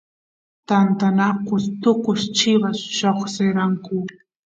tantanakus tukus chivas lloqseranku